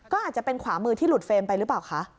ก็อาจจะเป็นขวามือที่หลุดเฟรมไปหรือเปล่าคะ